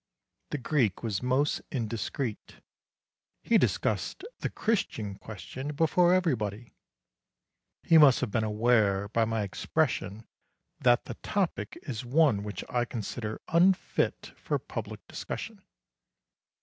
The Greek was most indiscreet. He discussed the Christian question before everybody. He must have been aware by my expression that the topic is one which I consider unfit for public discussion.